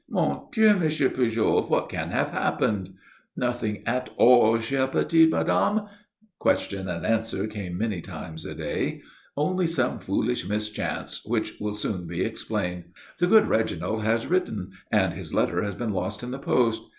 "Mon Dieu, M. Pujol, what can have happened?" "Nothing at all, chère petite madame" question and answer came many times a day. "Only some foolish mischance which will soon be explained. The good Reginald has written and his letter has been lost in the post.